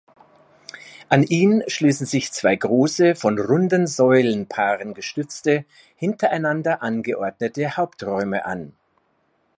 An ihn schließen sich zwei große, von runden Säulenpaaren gestützte, hintereinander angeordnete Haupträume an.